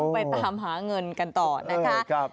ไปตามหาเงินกันต่อนะคะ